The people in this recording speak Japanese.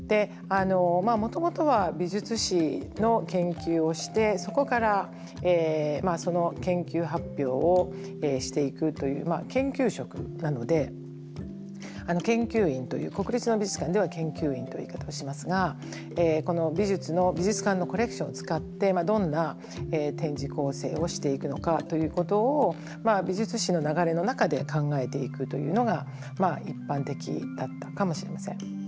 もともとは美術史の研究をしてそこからその研究発表をしていくという研究職なので研究員という国立の美術館では研究員という言い方をしますがこの美術の美術館のコレクションを使ってどんな展示構成をしていくのかということを美術史の流れの中で考えていくというのが一般的だったかもしれません。